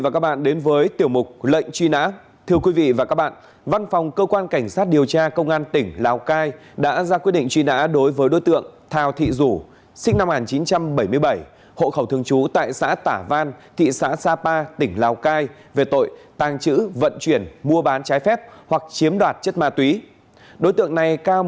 chào mừng quý vị đến với tiểu mục lệnh truy nã